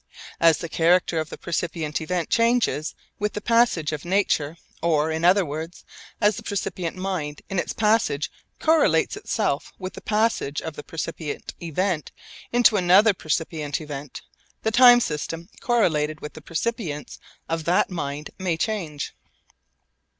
As the character of the percipient event changes with the passage of nature or, in other words, as the percipient mind in its passage correlates itself with the passage of the percipient event into another percipient event the time system correlated with the percipience of that mind may change.